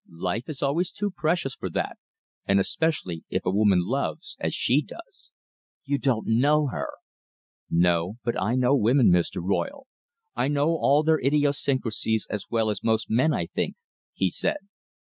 Life is always too precious for that, and especially if a woman loves, as she does." "You don't know her." "No, but I know women, Mr. Royle I know all their idiosyncrasies as well as most men, I think," he said.